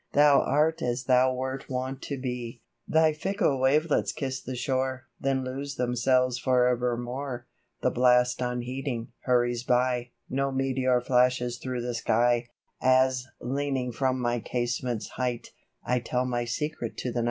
Thou art as thou wert wont to be 1 Thy fickle wavelets kiss the shore, Then lose themselves for evermore ; The blast unheeding, hurries by, No meteor flashes through the sky, As, leaning from my casement's height, I tell my Secret to the Night.